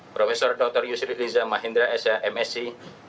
prof dr yusri liza mahindra esa msi